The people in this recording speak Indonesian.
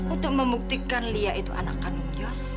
untuk membuktikan lia itu anak om yos